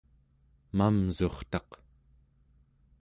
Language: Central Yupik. pamsurtaq